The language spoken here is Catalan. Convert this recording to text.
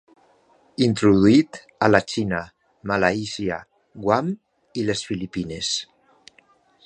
Introduït a la Xina, Malàisia, Guam i les Filipines.